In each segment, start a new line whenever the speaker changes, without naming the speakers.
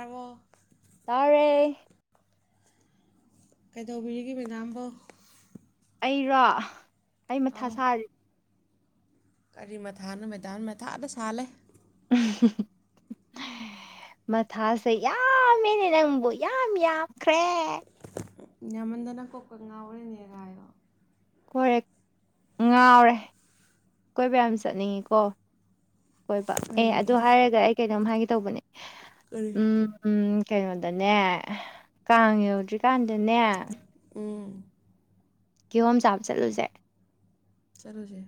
ꯑꯕꯣ
ꯇꯥꯔꯦ
ꯀꯩꯗꯧꯕꯤꯔꯤꯒꯦ ꯃꯦꯗꯥꯕꯨꯣ
ꯑꯩꯔꯣ ꯑꯩ ꯃꯊꯥ ꯁꯥꯔꯤ
ꯀꯔꯤ ꯃꯊꯥꯅꯣ ꯃꯕꯦꯗꯥ ꯃꯊꯥꯗ ꯁꯥꯠꯂꯦ
[unintelligible] [inaudible] ꯃꯊꯥꯁꯦ ꯌꯥꯝꯃꯦꯅꯦ ꯅꯪꯕꯨ ꯌꯥꯝ ꯌꯥꯈ꯭ꯔꯦ
ꯅꯃꯟꯗꯅ ꯀꯀ ꯉꯕꯅꯤꯔ ꯍꯥꯏꯔꯣ
ꯍꯣꯏꯔꯦ ꯉꯥꯎꯔꯦ ꯀꯣꯏꯕ ꯌꯥꯝ ꯆꯠꯅꯤꯡꯉꯤꯀꯣ ꯀꯣꯏꯕ ꯑꯦ
ꯀꯔꯤ
ꯑꯗꯨ ꯍꯥꯏꯔꯒ ꯑꯩ ꯀꯩꯅꯣꯝ ꯍꯥꯏꯒꯦ ꯇꯧꯕꯅꯦ
ꯀꯔꯤ
ꯎꯝ ꯎꯝ ꯀꯩꯅꯣꯗꯅꯦ ꯀꯥꯡ ꯌꯧꯗ꯭ꯔꯤꯀꯥꯟꯗꯅꯦ
ꯎꯝ
ꯀꯤꯌꯣꯝ ꯆꯥꯞ ꯆꯠꯂꯨꯁꯦ
ꯆꯂꯣꯆꯦ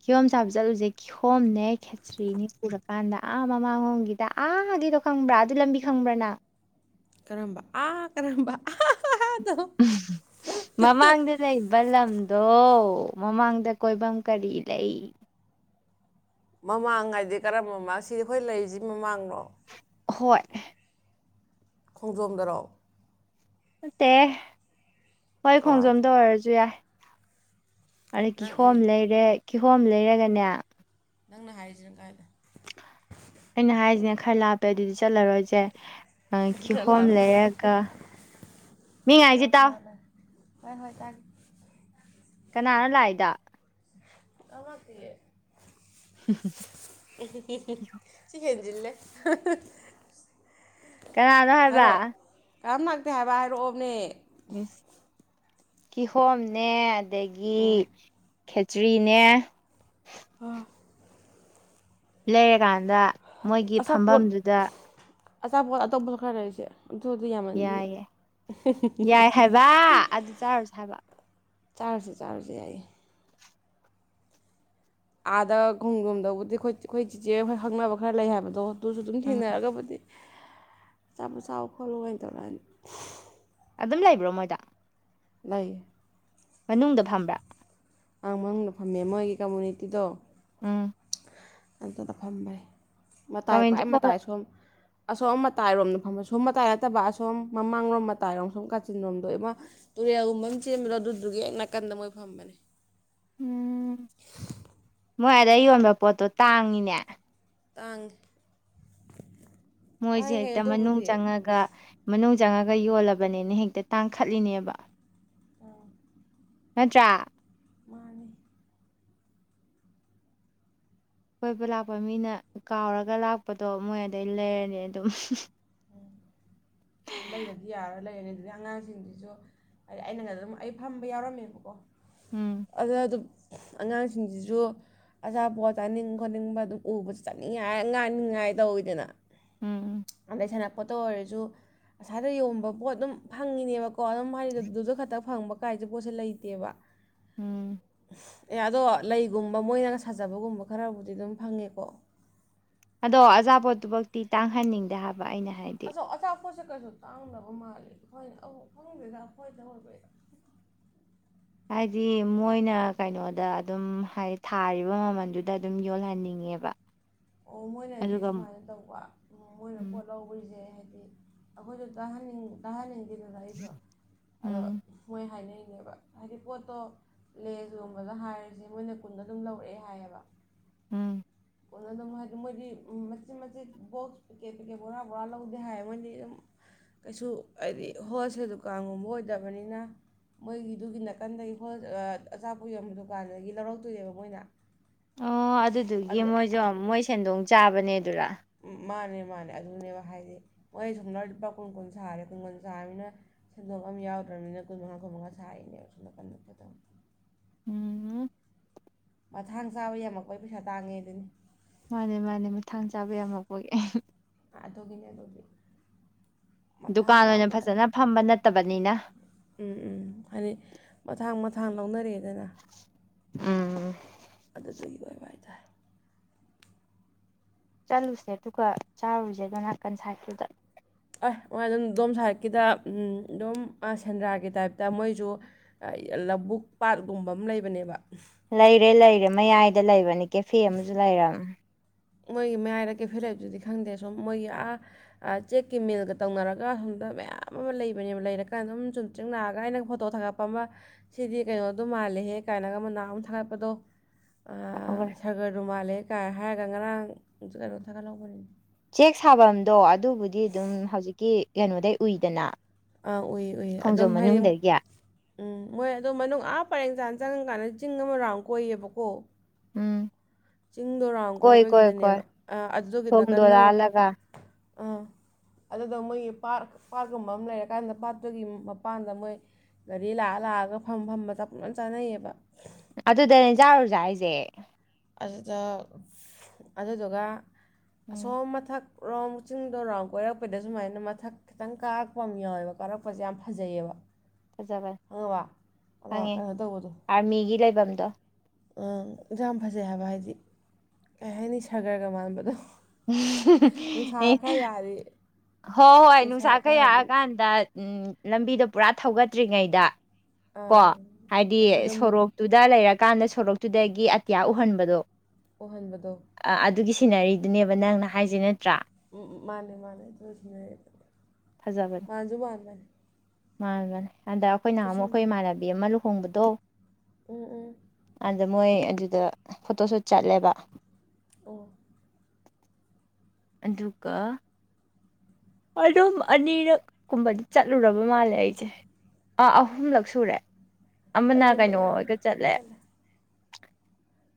ꯀꯤꯌꯣꯝ ꯆꯥꯕ ꯆꯠꯂꯨꯁꯦ ꯀꯤꯌꯣꯝꯅꯦ ꯈꯦꯇ꯭ꯔꯤꯅꯤ ꯄꯨꯔꯀꯥꯟꯗ ꯑꯥ ꯃꯃꯥꯡꯉꯣꯝꯒꯤꯗ ꯑꯥ ꯗꯣ ꯈꯪꯕ꯭ꯔꯥ ꯑꯗꯨ ꯂꯝꯕꯤ ꯈꯪꯕ꯭ꯔꯅ
ꯀꯔꯝꯕ ꯑꯥ ꯀꯔꯝꯕ
ꯃꯃꯥꯡꯗ ꯂꯩꯕ ꯂꯝ ꯑꯗꯣ ꯃꯃꯥꯡꯗ ꯀꯣꯏꯐꯝ ꯀꯔꯤ ꯂꯩ
ꯃꯃꯥꯡ ꯍꯥꯏꯗꯤ ꯀꯔꯝꯕ ꯑꯃ ꯁꯤꯗꯤ ꯑꯩꯈꯣꯏ ꯂꯩꯔꯤꯁꯤ ꯃꯃꯥꯡꯅꯣ
ꯍꯣꯏ
ꯈꯣꯡꯖꯣꯝꯗꯔꯣ
ꯅꯠꯇꯦ ꯍꯣꯏ
ꯀꯔꯥꯏꯗ
ꯈꯣꯡꯖꯣꯝꯗꯧ ꯑꯣꯏꯔꯁꯨ ꯌꯥꯏ ꯑꯗ
ꯅꯪ
ꯀꯤꯍꯣꯝ ꯂꯩꯔꯦ ꯀꯤꯍꯣꯝ ꯂꯩꯔꯒꯅꯦ
ꯅꯪꯅ ꯍꯥꯏꯁꯤꯅ ꯀꯥꯏꯂꯦ
ꯑꯩꯅ ꯍꯥꯏꯁꯤꯅ ꯈꯔ ꯂꯥꯞꯄꯦ ꯑꯗꯨꯗꯤ ꯆꯠꯂꯔꯣꯏꯁꯦ ꯑ ꯀꯤꯍꯣꯝ ꯂꯩꯔꯒ ꯃꯤꯉꯥꯏꯁꯤ ꯇꯥꯎ
ꯍꯣꯏ ꯍꯣꯏ ꯇ
ꯀꯅꯥꯅꯣ ꯂꯥꯛꯏꯗ
ꯑꯦ ꯁꯤ [inaudible] ꯂꯦ [unintelligible] [inaudible]
ꯀꯅꯥꯅꯣ ꯍꯥꯏꯕ
ꯀꯔꯝꯅꯇꯦ ꯍꯥꯏꯕ ꯍꯥꯏꯔꯛꯑꯣꯕꯅꯦ
ꯁ [unintelligible] [inaudible] ꯀꯤꯍꯣꯝꯅꯦ ꯑꯗꯒꯤ
ꯎꯝ
ꯈꯦꯇ꯭ꯔꯤꯅꯦ
ꯑꯣ
ꯂꯩꯔꯀꯥꯟꯗ ꯃꯣꯏꯒꯤ
ꯑꯆꯥꯄꯣꯠ
ꯐꯝꯐꯝꯗꯨꯗ
ꯑꯆꯥꯄꯣꯠ ꯑꯇꯣꯞꯄꯣ ꯈꯔ ꯂꯩꯔꯤꯁꯦ ꯑꯗꯨꯗꯤ ꯌꯥꯝꯃꯟꯗꯤ
ꯌꯥꯏ ꯌꯥꯏ ꯌꯥꯏ ꯍꯥꯏꯕ ꯑꯗꯨ ꯆꯥꯔꯁ ꯍꯥꯏꯕ
ꯆꯥꯔꯁ ꯆꯥꯔꯁꯦ ꯌꯥꯏꯌꯦ ꯑꯥꯗ ꯈꯣꯡꯖ꯭ꯔꯣꯝꯗꯕꯨꯗꯤ ꯑꯩꯈꯣꯏ ꯆꯤꯆꯦ ꯑꯩꯣꯏ ꯈꯪꯅꯕ ꯈꯔ ꯂꯩ ꯍꯥꯏꯕꯗꯣ ꯑꯗꯨꯁꯨ ꯑꯗꯨꯝ
ꯎꯝ
ꯊꯦꯡꯅꯔꯒꯕꯨꯗꯤ ꯑꯆꯥꯄ ꯁꯥꯎ ꯈꯣꯠꯂꯨ ꯀꯥꯏꯅ ꯇꯧꯔ ꯍꯥꯏꯅꯤ
ꯑꯗꯨꯝ ꯂꯩꯕ꯭ꯔꯣ ꯃꯣꯏꯗ
ꯂꯩ
ꯃꯅꯨꯡꯗ ꯐꯝꯕ꯭ꯔꯥ
ꯑ ꯃꯅꯨꯡꯗ ꯐꯝꯃꯦ ꯃꯣꯏꯒꯤ ꯀꯝꯃꯨꯅꯤꯇꯤꯗꯣ
ꯎꯝ
ꯑꯗꯨꯗ ꯐꯝꯕꯅꯤ ꯃꯇꯥꯏ
ꯀꯃꯦꯟꯇ꯭ꯔꯤ
ꯈ꯭ꯋꯥꯏ
ꯕꯣꯛꯁ
ꯃꯇꯥꯏ ꯁꯣꯨꯝ ꯑꯁꯣꯝ ꯃꯇꯥꯏꯔꯣꯝꯗ ꯐꯝꯕ ꯁꯣꯝ ꯃꯇꯥꯏ ꯅꯠꯇꯕ ꯑꯁꯣꯝ ꯃꯃꯥꯡꯂꯣꯝ ꯃꯇꯥꯏꯔꯣꯝ ꯁꯣꯝ ꯀꯥꯆꯤꯟꯔꯣꯝꯗꯣꯃ ꯇꯨꯔꯦꯜꯒꯨꯝꯕ ꯑꯃ ꯆꯦꯟꯕꯗꯣ ꯑꯗꯨꯗꯨꯒꯤ ꯑ ꯅꯥꯀꯟꯗ ꯃꯣꯏ ꯐꯝꯕꯅꯦ
ꯎꯝ ꯃꯣꯏ ꯑꯗ ꯌꯣꯟꯕ ꯄꯣꯠꯇꯣ ꯇꯥꯡꯉꯤꯅꯦ
ꯇꯥꯡꯉꯤ
ꯃꯣꯏꯁꯦ ꯍꯦꯛꯇ ꯃꯅꯨꯡ ꯆꯪꯉꯒ ꯃꯅꯨꯡ ꯆꯪꯉꯒ ꯌꯣꯜꯂꯕꯅꯦ ꯍꯦꯛꯇ ꯇꯥꯡꯈꯠꯂꯤꯅꯦꯕ
ꯑꯥ
ꯅꯠꯇ꯭ꯔꯥ
ꯃꯥꯅꯤ
ꯀꯣꯏꯕ ꯂꯥꯛꯄ ꯃꯤꯅ ꯀꯥꯎꯔꯒ ꯂꯥꯛꯄꯗꯣ ꯃꯣꯏ ꯑꯗꯩ ꯂꯩꯔꯅꯤ ꯑꯗꯨꯝ
ꯑꯗꯨꯝ ꯂꯩꯗꯕꯗꯤ ꯌꯥꯔ ꯂꯩꯔꯅꯤ ꯑꯗꯨꯗꯩ ꯑꯉꯥꯡꯁꯤꯡꯁꯤꯁꯨ ꯍꯥꯏ ꯑꯩꯅꯪ ꯑꯗꯨꯝ ꯑꯩ ꯐꯝꯕ ꯌꯥꯎꯔꯝꯃꯦꯕꯀꯣ
ꯎꯝ
ꯑꯗ ꯑꯗꯨꯝ ꯑꯉꯥꯡꯁꯤꯡꯁꯤꯁꯨ ꯑꯆꯥꯄꯣꯠ ꯆꯥꯅꯤꯡ ꯈꯣꯠꯅꯤꯡꯕ ꯑꯗꯨꯝ ꯎꯕꯁꯤ ꯆꯥꯅꯤꯡꯉꯥꯏ ꯍꯥꯏꯔ ꯉꯥꯡꯅꯤꯡꯉꯥꯏ ꯇꯧꯋꯤꯗꯅ
ꯎꯝ
ꯑꯗꯩ ꯁꯥꯟꯅꯄꯣꯠꯇ ꯑꯣꯏꯔꯁꯨ ꯑꯁ꯭ꯋꯥꯏꯗ ꯌꯣꯟꯕ ꯄꯣꯠ ꯑꯗꯨꯝ ꯐꯪꯉꯤꯅꯦꯕ ꯀꯣ ꯑꯗꯨꯝ ꯍꯥꯏꯗꯤ ꯑꯗꯨꯗ ꯈꯛꯇ ꯐꯪꯕ ꯀꯥꯏꯁꯦ ꯄꯣꯠꯁꯦ ꯂꯩꯇꯦꯕ
ꯎꯝ
ꯑꯦ ꯑꯗꯣ ꯂꯩꯒꯨꯝꯕ ꯃꯣꯏꯅꯒ ꯁꯥꯖꯕꯒꯨꯝꯕ ꯈꯔꯕꯨꯗꯤ ꯑꯗꯨꯝ ꯐꯪꯉꯦꯀꯣ
ꯑꯗꯣ ꯑꯆꯥꯥꯄꯣꯠꯇꯨꯃꯛꯇꯤ ꯇꯥꯡꯍꯟꯅꯤꯡꯗꯦ ꯍꯥꯏꯕ ꯑꯩꯅ ꯍꯥꯏꯗꯤ
ꯀꯁꯨ ꯇꯥꯡꯗꯕ ꯃꯥꯜꯂꯤ ꯑꯩꯈꯣꯏꯅ ꯑꯃꯨꯛ ꯈꯪꯗꯦꯗ ꯑꯩꯈꯣꯏꯗ ꯑꯣꯏꯕꯩꯔ
ꯍꯥꯏꯗꯤ ꯃꯣꯏꯅ ꯀꯩꯅꯣꯗ ꯑꯗꯨꯝ ꯍꯥꯏ ꯊꯥꯔꯤꯕ ꯃꯃꯜꯗꯨꯗ ꯑꯗꯨꯝ ꯌꯣꯜꯍꯟꯅꯤꯡꯉꯦꯕ
ꯑꯣ ꯃꯣꯏꯅꯗꯤ
ꯑꯗꯨꯒ
ꯁꯨꯃꯥꯏꯅ ꯇꯧꯕ ꯃꯣꯏꯅ
ꯎꯝ
ꯄꯣꯠ ꯂꯧꯕꯁꯦ ꯗꯤ ꯑꯩꯈꯣꯏꯁꯨ ꯇꯥꯍꯟꯅꯤꯡ ꯇꯥꯍꯟꯅꯤꯡꯗꯦꯗꯅ ꯑꯩꯁꯨ ꯑꯗꯣ
ꯎꯝ
ꯃꯣꯏ ꯍꯥꯏꯅꯩ ꯅꯦꯕ ꯍꯥꯏꯗꯤ ꯄꯣꯠꯇꯣ ꯂꯦꯖꯒꯨꯝꯕꯗ ꯍꯥꯏꯔꯤꯁꯤ ꯃꯣꯏꯅ ꯀꯨꯟꯗ ꯑꯗꯨꯝ ꯂꯧꯔꯛꯑꯦ ꯍꯥꯏꯌꯦꯕ
ꯎꯝ
ꯀꯣꯅ ꯑꯗꯨꯝ ꯍꯥꯏꯗꯤ ꯃꯣꯏꯗꯤ ꯃꯆꯤꯠ ꯃꯆꯤꯠ ꯕꯣꯛꯁ ꯄꯦꯛꯀꯦꯠ ꯄꯦꯛꯀꯦꯠ ꯕꯣꯔꯥ ꯕꯣꯔꯥ ꯂꯧꯗꯦ ꯍꯥꯏ ꯃꯣꯏꯗꯤ ꯑꯗꯨꯝ ꯀꯩꯁꯨ ꯍꯥꯏꯗꯤ ꯍꯣꯜꯁꯦꯜ ꯗꯨꯀꯥꯟꯒꯨꯝꯕ ꯑꯣꯏꯗꯕꯅꯤꯅ ꯃꯣꯏꯒꯤꯗꯨꯒꯤ ꯅꯥꯀꯟꯗꯒꯤ ꯍꯣꯜ ꯑ ꯑꯆꯥꯄꯣꯠ ꯌꯣꯟꯕ ꯗꯨꯀꯥꯟꯗꯒꯤ ꯂꯧꯔꯛꯇꯣꯏꯅꯦꯕ ꯃꯣꯏꯅ
ꯑꯣ ꯑꯗꯨꯗꯨꯒꯤ
ꯑꯗꯣ
ꯃꯣꯏꯁꯨ ꯃꯣꯏ ꯁꯦꯟꯗꯣꯡ ꯆꯥꯕꯅꯦ ꯗꯨꯔꯥ
ꯃꯥꯅꯦ ꯃꯥꯅꯦ ꯑꯗꯨꯅꯦꯕ ꯍꯥꯏꯗꯤ ꯃꯣꯏ ꯁꯣꯝꯗꯅ ꯂꯨꯄꯥ ꯀꯨꯟ ꯀꯨꯟ ꯁꯥꯔꯦ ꯀꯨꯟ ꯀꯨꯟ ꯁꯥꯕꯅꯤꯅ ꯁꯦꯟꯗꯣꯡ ꯑꯃ ꯌꯥꯎꯗ꯭ꯔꯕꯅꯤꯅ ꯀꯨꯟꯃꯉꯥ ꯀꯨꯟꯃꯉꯥ ꯁꯥꯏꯅꯦꯕ ꯁꯣꯝꯅꯥꯀꯟꯗ
ꯎꯝ
ꯃꯊꯥꯡ ꯆꯥꯕ ꯌꯥꯝꯃꯛꯄꯩ ꯄꯩꯁꯥ ꯇꯥꯡꯉꯦ ꯑꯗꯨꯅꯤ
ꯃꯥꯅꯦ ꯃꯥꯅꯦ ꯃꯊꯥꯡ ꯆꯥꯕ ꯌꯥꯝꯃꯛꯄꯒꯤ ꯑꯍꯤ
ꯑꯗꯣꯒꯤꯅꯦ ꯑꯗꯨꯒꯤ ꯃꯊꯥꯡ
ꯗꯨꯀꯥꯜ ꯑꯣꯏꯅ
ꯆꯥꯕꯗꯣ ꯍꯥꯏ
ꯐꯖꯅ ꯐꯝꯕ ꯅꯠꯇꯕꯅꯤ
ꯎꯝ ꯎꯝ ꯍꯥꯏꯗꯤ ꯃꯊꯥꯡ ꯃꯊꯪ ꯊꯥꯡ ꯂꯧꯅꯔꯑꯦꯗꯅ ꯑꯗꯨꯗꯨꯒꯤ ꯑꯣꯏꯕ ꯍꯥꯏꯇꯥꯔꯦ
ꯆꯠꯂꯨꯁꯦ ꯑꯗꯨꯒ ꯆꯥꯔꯨꯖꯦ ꯑꯗꯣ ꯅꯥꯀꯟ ꯁꯥꯏꯗꯠꯇꯨꯗ
ꯑꯩꯍ ꯃꯣꯏ ꯑꯗꯨꯝ ꯑꯗꯣꯝ ꯁꯥꯏꯠꯀꯤꯗ ꯑꯝ ꯑꯗꯨꯝ ꯑ ꯁꯦꯟꯗ꯭ꯔꯥꯒꯤ ꯇꯥꯏꯞꯇ ꯃꯣꯏꯖꯨ ꯑ ꯂꯧꯕꯕꯨꯛ ꯄꯥꯠꯀꯨꯝꯕ ꯑꯃ ꯂꯩꯕꯅꯦꯕ
ꯂꯩꯔꯦ ꯂꯩꯔꯦ ꯃꯌꯥꯏꯗ ꯂꯩꯕꯅꯦ ꯀꯦꯐꯦ ꯑꯃꯁꯨ ꯂꯩꯔꯝ
ꯃꯣꯏꯒꯤ ꯃꯌꯥꯏꯔꯛ ꯀꯦ ꯐꯤꯔꯦ ꯂꯩꯕꯗꯨꯗꯤ ꯈꯪꯗꯦ ꯁꯨꯝ ꯃꯣꯏꯒꯤ ꯑꯥ ꯑ ꯆꯦꯛꯀꯤ ꯃꯤꯜꯒ ꯇꯧꯅꯔꯒ ꯁꯨꯝ ꯃꯌꯥꯝ ꯑꯃ ꯂꯩꯕꯅꯦꯕ ꯂꯩꯔꯀꯥꯟ ꯑꯗꯨꯝ ꯆꯨꯝ ꯆꯤꯡ ꯂꯥꯛꯑꯒ ꯑꯩꯅ ꯐꯣꯇꯣ ꯊꯥꯒꯠꯄ ꯑꯃ ꯁꯤꯗꯤ ꯀꯩꯅꯣ ꯑꯗꯨꯝ ꯃꯥꯜꯂꯤꯍꯦ ꯀꯥꯏꯅꯒ ꯃꯅꯥ ꯅꯍꯥꯟꯃꯨꯛ ꯊꯥꯒꯠꯄꯗꯣ ꯑ ꯁꯥꯒꯔꯕꯨ ꯃꯥꯜꯂꯦ ꯀꯥꯏ ꯍꯥꯏꯔꯒ ꯉꯔꯥꯡ ꯀꯩꯅꯣ ꯊꯥꯒꯠꯍꯧꯕꯅꯤꯅꯦ
ꯆꯦꯛ ꯁꯥꯕꯝꯗꯣ ꯑꯗꯨꯕꯨꯗꯤ ꯑꯗꯨꯝ ꯍꯧꯖꯤꯛꯀꯤ ꯀꯩꯅꯣꯗꯩ ꯎꯏꯗꯅ
ꯑꯥ ꯎꯏꯌꯦ ꯎꯏ ꯑꯗꯨꯝ
ꯈꯣꯡꯖꯣꯝ
ꯍꯥꯏꯗꯤ
ꯃꯅꯨꯡꯗꯒꯤ
ꯎꯝ ꯃꯣꯏ ꯑꯗꯨꯝ ꯃꯅꯨꯡ ꯑꯥ ꯄꯔꯦꯡ ꯆꯥꯟꯁ ꯆꯪꯀꯥꯟꯗ ꯆꯤꯡ ꯑꯃꯔꯥꯎ ꯀꯣꯏꯌꯦꯕꯀꯣ
ꯎꯝ
ꯆꯤꯡ ꯗꯣꯔꯥꯎꯝ
ꯀꯣꯏ ꯀꯣꯏ ꯀꯣꯏ
ꯀꯣꯏꯕꯒꯤꯗꯅꯦꯕ ꯑ ꯑꯗꯨꯒꯤ ꯅꯥꯀꯟꯗ ꯑꯃꯨꯛ
ꯑꯟꯑꯣꯗꯤꯕꯜ
ꯑꯗꯨꯗ ꯃꯣꯏꯒꯤ ꯄꯥꯔ ꯄꯥꯠꯀꯨꯝꯕ ꯑꯃ ꯂꯩꯔꯀꯥꯟꯗ ꯄꯥꯠꯇꯨꯒꯤ ꯃꯄꯥꯟꯗ ꯃꯣꯏ ꯒꯥꯔꯤ ꯂꯥꯛꯑ ꯇꯥꯛꯑꯒ ꯐꯝ ꯐꯝꯝꯕꯗ ꯄꯨꯂꯞ ꯆꯥꯅꯩꯌꯦꯕ
ꯑꯗꯨꯗꯅꯦꯖꯥꯔꯨꯖꯥ ꯍꯥꯏꯁꯦ
ꯑꯗꯨꯗ ꯑꯗꯨꯗꯨꯒ
ꯎꯝ
ꯑꯁꯣꯝ ꯃꯊꯛ ꯄꯨꯔꯥꯎ ꯃꯨꯛ ꯆꯤꯡꯗꯔꯥꯎ ꯀꯣꯏꯔꯛꯄꯗ ꯁꯨꯃꯥꯏꯅ ꯃꯊꯛ ꯈꯤꯇꯪ ꯀꯥꯔꯛꯄ ꯑꯃ ꯌꯥꯎꯋꯦꯕ ꯀꯥꯔꯛꯄꯁꯦ ꯌꯥꯝ ꯐꯖꯩꯑꯕ
ꯐꯖꯕꯅꯦ
ꯑꯕ ꯑ
ꯈꯪꯉꯦ
ꯀꯩꯅꯣ ꯇꯧꯕꯗꯣ
ꯑꯥꯔꯃꯤꯒꯤ ꯂꯩꯐꯝꯗꯣ
ꯑ ꯌꯥꯝ ꯐꯖꯩ ꯍꯥꯏꯕ ꯍꯥꯏꯗꯤ ꯀꯩ ꯍꯥꯏꯅꯤ ꯁꯥꯒꯔꯒ ꯃꯥꯟꯕꯗꯣ ꯅꯨꯡꯁꯥ
ꯑꯩ
ꯈꯔ ꯌꯥꯔꯗꯤ
ꯍꯣꯏ ꯍꯣꯏ
ꯅꯨꯡꯁꯥ
ꯅꯨꯡꯁꯥꯈꯩ
ꯈꯔ ꯌꯥꯔꯗꯤ
ꯌꯥꯛꯑꯀꯥꯟꯗ ꯎꯝ ꯂꯝꯕꯤꯗꯣ ꯄꯨꯔꯥ ꯊꯧꯒꯠꯇ꯭ꯔꯤꯉꯩꯗ ꯀꯣ ꯍꯥꯏꯗꯤ
ꯑꯗꯨꯝ
ꯁꯣꯔꯣꯛꯇꯨꯗ ꯂꯩꯔꯛ ꯀꯥꯟꯗ ꯁꯣꯔꯣꯛꯇꯨꯗꯒꯤ ꯑꯇꯤꯌꯥ ꯎꯍꯟꯕꯗꯣ
ꯎꯍꯟꯕꯗꯣ
ꯑꯗꯨꯒꯤ ꯁꯤꯅꯔꯤ ꯑꯗꯨꯅꯦꯕ ꯅꯪꯅ ꯍꯥꯏꯁꯤꯅꯦ
ꯎꯝ ꯃꯥꯅꯦ ꯃꯥꯅꯦ ꯆꯅ ꯃꯥꯖꯕꯨ ꯃꯥꯅ
ꯃꯥꯥꯟꯕꯅꯦ ꯑꯗ ꯑꯩꯈꯣꯏꯅ ꯑꯃꯨꯛ
ꯄꯤꯁꯨꯝ
ꯑꯩꯈꯣꯏ ꯏꯃꯥꯟꯅꯕꯤ ꯑꯃ ꯂꯨꯍꯣꯡꯕꯗꯣ
ꯎꯝ ꯎꯝ
ꯑꯗ ꯃꯣꯏ ꯑꯗꯨꯗ ꯐꯣꯇꯣ ꯁꯨꯠ ꯆꯠꯂꯦꯕ
ꯑꯣ [unintelligible] [inaudible]
ꯑꯗꯨꯒ ꯑꯗꯨꯒꯀ ꯑꯗꯨꯝ ꯑꯅꯤꯔꯛ ꯀꯨꯝꯕꯗꯤ ꯆꯠꯂꯨꯔꯕ ꯃꯥꯜꯂꯦ ꯑꯩꯁꯦ ꯑꯥ ꯑꯍꯨꯝꯂꯛ ꯁꯨꯔꯦ ꯑꯃꯅ
ꯑꯩꯗꯤ
ꯀꯩꯅꯣ
ꯃꯌꯥ
ꯑꯣꯏꯒ ꯆꯠꯂꯦ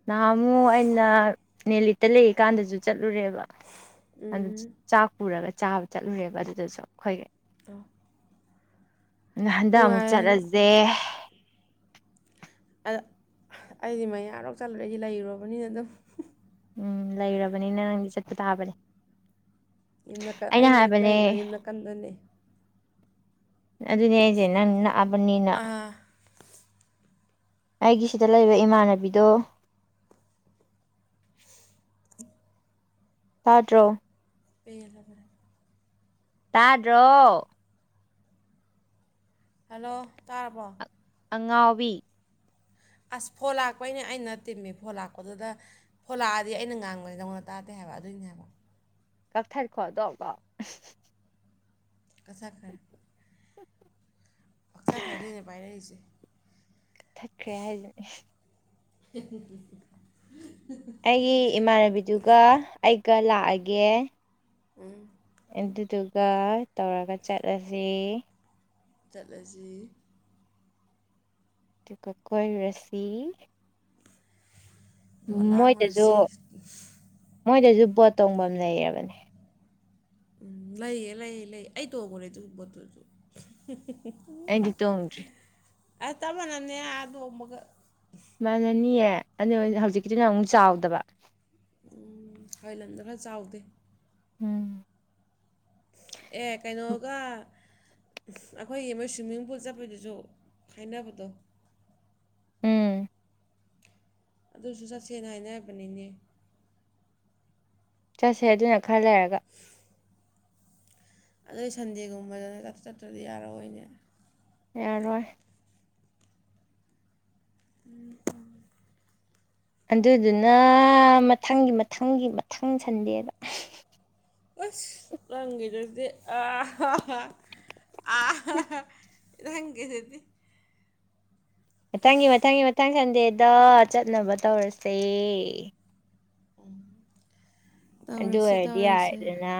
ꯅꯍꯥ ꯑꯃꯨ ꯑꯩꯅ ꯅꯦꯂꯤꯠꯇ ꯂꯩꯔꯤ ꯀꯥꯟꯗꯁꯨ ꯆꯠꯂ ꯆꯠꯂꯨꯔꯦꯕ ꯑꯗꯨ
ꯎꯝ
ꯆꯥꯛ ꯄꯨꯔꯒ ꯆꯥꯕ ꯆꯠꯂꯨꯔꯦꯕ ꯑꯗꯨꯗꯁꯨ ꯑꯩꯈꯣꯏꯒꯤ
ꯇꯣ [inaudible]
ꯍꯟꯗꯛ ꯑꯃꯨꯛ
ꯑꯗꯨꯝ
ꯆꯠꯂꯁꯦ
ꯑꯗ ꯑꯩꯗꯤ ꯃꯌꯥꯔꯣꯛ ꯆꯜꯂꯨꯔ ꯑꯩꯗꯤ ꯂꯩꯔꯨꯔꯕꯅꯤꯅ ꯑꯗꯨꯝ
ꯎꯝ ꯂꯩꯔꯕꯅꯤ ꯅ ꯅꯪꯗꯤ ꯆꯠꯄ ꯇꯥꯕꯅꯦ
ꯌꯅ ꯑꯩꯅ ꯍ ꯂꯩꯔꯤꯅꯣꯅꯦ ꯌꯨꯝꯅ ꯀꯟꯗꯅꯦ
ꯑꯗꯨꯅꯦ ꯑꯩꯁꯦ ꯅꯪ ꯂꯛꯑꯕꯅꯤꯅ
ꯑꯥ
ꯑꯩꯒꯤ ꯁꯤꯗ ꯂꯩꯕ ꯏꯃꯥꯟꯅꯕꯤꯗꯣ ꯁꯥꯥꯗ꯭ꯔꯣ
ꯄꯂꯕ꯭ꯔ
ꯇꯥꯗꯣ
ꯍꯜꯂꯣ ꯇꯥꯔꯕꯣ
ꯑꯉꯥꯎꯕꯤ
ꯑꯁ ꯐꯣꯟ ꯂꯥꯛꯄꯩꯅꯦ ꯑꯩꯅ ꯇꯤꯝꯃꯤ ꯐꯣꯟ ꯂꯥꯛꯄꯗꯨꯗ ꯐꯣꯟ ꯂꯥꯛꯑꯗꯤ ꯑꯩꯅ ꯉꯥꯡꯕꯩꯗꯧꯅ ꯇꯥꯗꯦ ꯍꯥꯏ ꯑꯗꯨꯕꯣ
ꯀꯛꯊꯔꯤꯈꯣꯗꯣꯀꯣ
ꯀꯁ ꯈꯔ ꯄꯛꯊꯈ꯭ꯔꯗꯅꯦ ꯄꯥꯏꯔꯛꯏꯁꯦ
ꯊꯠꯈ꯭ꯔꯦ ꯍꯥꯏꯗꯨꯅꯦ
[unintelligible] [inaudible]
ꯑꯩꯒꯤ ꯏꯃꯥꯟꯅꯕꯤꯗꯨꯒ ꯑꯩꯒ ꯂꯥꯛꯑꯒꯦ
ꯎꯝ
ꯑꯗꯨꯗꯨꯒ ꯇꯧꯔꯒ ꯆꯠꯂꯁ
ꯆꯠꯂꯁꯤ
ꯑꯗꯨꯒ ꯀꯣꯏ ꯔꯁꯤ
ꯑꯗꯨꯒ
ꯃꯣꯏꯗꯁꯨ
ꯂꯥꯡꯉꯨꯔꯁꯤ
ꯃꯣꯏꯗꯁꯨ ꯕꯣꯠ ꯇꯣꯡꯐꯝ ꯂꯩꯔꯕꯅꯦ
ꯎꯝ ꯂꯩꯌꯦ ꯂꯩꯌꯦ ꯂꯩ ꯑꯩ ꯇꯣꯛꯈꯣꯔꯦ ꯑꯗꯨꯒꯤ ꯄꯣꯠꯇꯨꯁꯨ
ꯑꯦꯗꯤ ꯇꯣꯡꯔꯤ
ꯑ ꯇꯃ ꯅꯅꯦꯦ ꯑ ꯑꯗꯨꯃꯒ
ꯃꯥꯥꯟꯅꯅꯤꯑ ꯑꯗꯨ ꯍꯧꯖꯤꯛꯀꯤꯗꯨ ꯑꯣꯏꯅ ꯑꯃꯨꯛ ꯆꯥꯎꯗꯕ
ꯊꯥꯏꯂꯦꯟꯗ ꯈꯔ ꯆꯥꯎꯗꯦ
ꯎꯝ
ꯑꯗꯨꯒ ꯑꯩꯈꯣꯏ ꯃꯣꯏ ꯁ꯭ꯋꯤꯝꯃꯤꯡ ꯄꯨꯜ ꯆꯠꯄꯗꯨꯁꯨ ꯈꯥꯏꯅꯕꯗꯣ
ꯎꯝ
ꯑꯗꯨꯁꯨ ꯆꯠꯁꯦꯡꯅ ꯍꯥꯏꯅꯔꯕꯅꯤꯅꯦ
ꯆꯠꯁꯦ ꯑꯗꯨꯅ ꯈꯔ ꯂꯩꯔꯒ
ꯑꯗꯨꯏ ꯁꯟꯗꯦꯒꯨꯝꯕꯗꯅꯦ ꯆꯠꯇ꯭ꯔꯗꯤ ꯌꯥꯔꯑꯣꯏꯅꯦ
ꯌꯥꯔꯣꯏ꯫ ꯑꯗꯨꯗꯨꯅ ꯃꯊꯪꯒꯤ ꯃꯊꯪꯒꯤ ꯃꯊꯪ ꯁꯟꯗꯦꯕ
ꯑꯁ ꯅꯪꯈꯤꯗꯗꯤ ꯑꯥꯍꯥꯥ ꯑꯥꯥꯥ ꯑꯦꯅꯖꯤꯒꯤ ꯗꯨꯗ꯫
ꯃꯊꯪꯒꯤ ꯃꯊꯪꯒꯤ ꯃꯊꯪ ꯁꯟꯗꯦꯗ ꯆꯠꯅꯕ ꯇꯧꯔꯁꯦ
ꯎꯝ [inaudible]
ꯑꯗꯨ ꯑꯣꯏꯔꯥ ꯗꯤ ꯌꯥꯔꯦ ꯗꯤꯅꯥ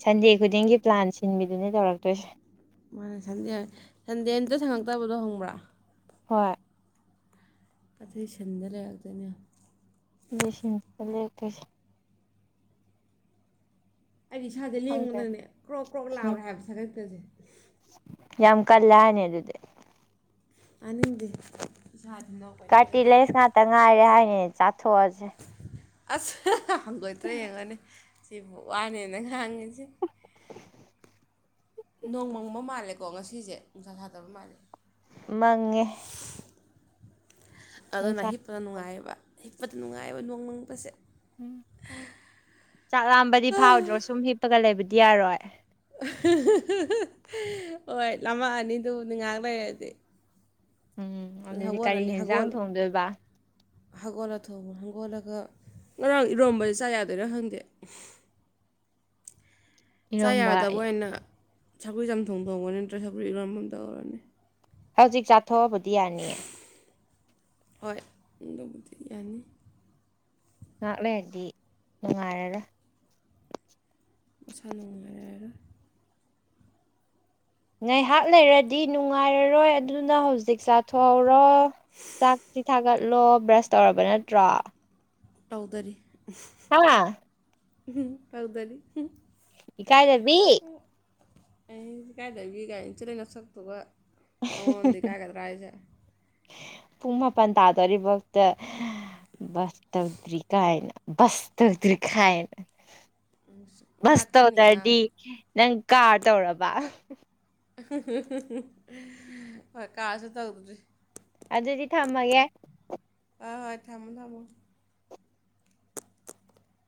ꯁꯨꯟꯗꯦ ꯈꯨꯗꯤꯡ ꯒꯤ ꯄ꯭ꯂꯥꯟ ꯁꯤꯅꯕꯤ ꯗꯨꯅꯦ ꯇ꯭ꯔꯛꯇꯣꯏꯁ꯫
ꯃꯥꯅꯦ ꯁꯟꯗꯦ ꯁꯟꯗꯦ ꯑꯝꯇ ꯁꯪꯉꯛꯇꯕꯗꯣ ꯍꯪꯕ꯭ꯔꯥ
ꯍꯣꯏ
ꯑꯊꯩ ꯁꯤꯟꯗ ꯂꯩꯔꯛꯇꯣꯏꯅꯦ
ꯂꯤꯁꯤꯡ ꯆꯂꯦ ꯀ
ꯑꯩꯗꯤ ꯏꯁꯥꯁꯦ
ꯈꯪꯗꯦ
ꯂꯦꯡꯕꯗꯪꯅꯦ ꯀ꯭ꯔꯣꯛ ꯀ꯭ꯔꯣꯛ
ꯎꯝ
ꯂꯥꯛꯔꯦ ꯍꯥꯏꯕ ꯁꯒꯛꯇꯁꯦ
ꯌꯥꯝ ꯀꯜꯂꯅꯤ ꯑꯗꯨꯗꯤ
ꯇꯥꯅꯤꯡꯗꯦ ꯏꯁꯥꯗꯤ ꯅꯣꯛꯄꯅꯤ ꯈꯪꯗꯦ
ꯀꯥꯔꯇꯤꯂꯦꯟꯁ ꯉꯥꯛꯇ ꯉꯥꯏꯔꯦ ꯍꯥꯏꯅꯤꯅꯦ ꯆꯥꯊꯣꯛꯑꯁꯦ
ꯑꯁ ꯍꯪꯒꯣꯏꯇ꯭ꯔꯦ ꯌꯦꯡꯉꯣꯅꯦ ꯁꯤꯕꯨ ꯋꯥꯅꯦꯅ ꯉꯥꯡꯉꯤꯁꯦ ꯅꯣꯡꯃꯪꯕ ꯃꯥꯜꯂꯦꯀꯣ ꯉꯁꯤꯁꯦ ꯅꯨꯡꯁꯥ ꯁꯥꯗꯕ ꯃꯥꯜꯂꯦ
ꯃꯪꯉꯦ꯫
ꯑꯗꯨꯅ
ꯅꯨꯡꯁꯥ
ꯍꯤꯞꯄꯗ ꯅꯨꯡꯉꯥꯏꯕ ꯍꯤꯞꯄꯗ ꯅꯨꯡꯉꯥꯏꯕ ꯅꯣꯡ ꯕꯁꯦ
ꯎꯝ ꯆꯥꯛ ꯂꯥꯝꯕꯗꯤ ꯐꯥꯎꯗ꯭ꯔꯣ ꯁꯨꯝ ꯍꯤꯞꯄꯒ ꯂꯩꯕꯗꯤ ꯌꯥꯔꯣꯏ
ꯍꯣꯏ ꯂꯃꯛꯑꯅꯤꯗꯨꯅꯤ ꯉꯥꯏꯍꯥꯛ ꯂꯩꯔꯁꯦ
ꯎꯝ ꯑꯗꯨꯗꯤ
ꯍꯒꯔ
ꯀꯔꯤ
ꯑꯅꯤ
ꯌꯦꯟꯖꯥꯡ
ꯍꯒꯜ
ꯊꯣꯡꯗꯣꯏꯕ
ꯍꯒꯣꯔ ꯊꯧ ꯍꯒꯣꯔꯒ ꯉꯔꯥꯡ ꯏꯔꯣꯝꯕꯗꯤ ꯆꯥ ꯌꯥꯗꯣꯏꯔꯥ ꯍꯪꯗꯦ ꯆꯥ
ꯏꯔꯣꯝꯕ
ꯌꯥꯔꯗꯕ ꯑꯩꯅ ꯁꯐꯨ ꯆꯝꯊꯣꯡ ꯊꯣꯡꯕꯅꯤ ꯅꯠꯇ꯭ꯔ ꯁꯐꯨ ꯏꯔꯣꯟꯃꯝ ꯇꯧꯔꯅꯤ
ꯍꯧꯖꯤꯛ ꯆꯥꯊꯣꯛꯑꯕꯗꯤ ꯌꯥꯅꯤꯌꯦ
ꯍꯣꯏꯗ ꯌꯥꯅꯤ
ꯉꯍꯥꯛꯂꯦ ꯍꯥꯏꯗꯤ ꯅꯨꯡꯉꯥꯏꯔꯔ
ꯃꯁꯥꯟ ꯅꯨꯡ ꯂꯩꯔꯒ
ꯉꯥꯏꯍꯥꯛ ꯂꯩꯔꯗꯤ ꯅꯨꯡꯉꯥꯏꯔꯔꯣꯏ ꯑꯗꯨꯅ ꯍꯧꯖꯤꯛ ꯆꯥꯊꯣꯛꯍꯧꯔꯣ ꯆꯥꯛꯁꯤ ꯊꯥꯒꯠꯂꯣ ꯕ꯭ꯔꯁ ꯇꯧꯔꯕ ꯅꯠꯇ꯭ꯔꯣ
ꯇꯧꯗꯔꯤ
[inaudible]
[inaudible]
ꯏ ꯀꯥꯏꯗꯕꯤ
ꯑꯩꯗꯤ ꯀꯥꯏꯗꯕꯤ ꯀꯥꯏꯅꯁꯤ ꯂꯩꯩꯅ ꯁꯛꯇꯨꯕ ꯑꯣꯗꯤ ꯀꯥꯏꯒꯗ꯭ꯔꯑꯁ
ꯄꯨꯡ ꯃꯥꯄꯜ ꯇꯥꯗꯣꯔꯤꯐꯥꯎꯗ ꯕꯥꯥꯁꯧ ꯇ꯭ꯔꯤ ꯀꯥ ꯍꯥꯏꯅ ꯥꯁꯧꯗꯔꯤ ꯈꯥ ꯍꯥꯏꯅ ꯕꯁ
ꯉꯥꯛꯇꯅꯤ
ꯇꯧꯗ꯭ꯔꯗꯤ
ꯉꯥꯏꯍꯥꯛ
ꯅꯪ ꯀꯥꯔ ꯇꯧꯔꯕ
ꯍꯣꯏ ꯀꯥꯔꯁꯨ ꯇꯧꯗ꯭ꯔꯤ
ꯑꯗꯨꯗꯗꯤ ꯊꯝꯃꯒꯦ
ꯍꯣꯏ ꯍꯣꯏ ꯊꯝꯃꯣ ꯊꯝꯃꯣ